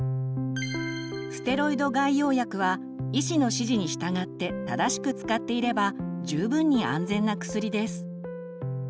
ステロイド外用薬は医師の指示に従って正しく使っていれば十分に安全な薬です。